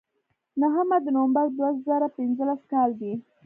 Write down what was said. نهمه د نومبر دوه زره پینځلس کال دی.